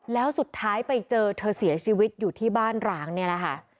แล้วสุดท้ายไปเจอเธอเสียชีวิตอยู่ที่บ้านร้างนี่แหละค่ะ